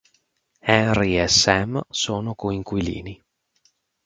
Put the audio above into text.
Henry e Sam sono coinquilini.